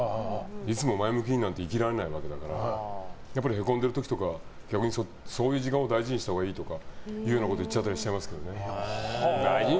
いつも前向きになんて生きられないわけだからへこんでいる時とか逆にそういう自分を大事にしたほうがいいとか言っちゃったりしていますけどね。